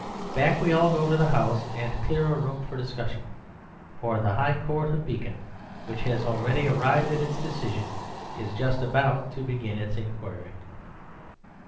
Back we all go to the house and clear a room for discussion. For the High Court of Beacon, which has already arrived at its decision, is just about to begin its inquiry."